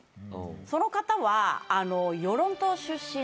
その方は。